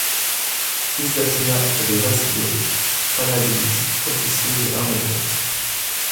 Fils d'Athéna et de Vassilios Panagoúlis, officier de l'armée grecque.